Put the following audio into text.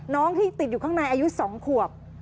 ที่ติดอยู่ข้างในอายุ๒ขวบ